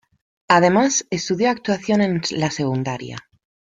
Además estudio actuación en la secundaria.